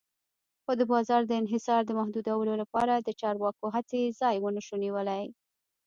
خو د بازار د انحصار د محدودولو لپاره د چارواکو هڅې ځای ونشو نیولی.